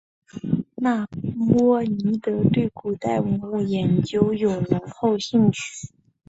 那波尼德对古代文物研究有浓厚兴趣。